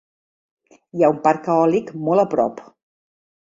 Hi ha un parc eòlic mot a prop.